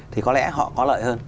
thì có lẽ họ có lợi hơn